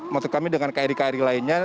maksud kami dengan kri kri lainnya